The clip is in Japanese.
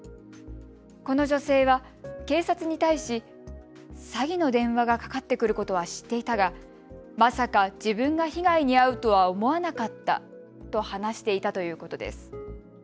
この女性は警察に対し詐欺の電話がかかってくることは知っていたがまさか自分が被害に遭うとは思わなかったと話していたということです。